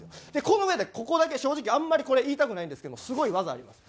このうえで正直あんまりこれ言いたくないんですけどもすごい技あります。